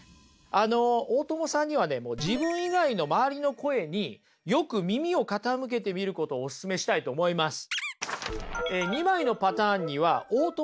あの大友さんにはね自分以外の周りの声によく耳を傾けてみることをオススメしたいと思います。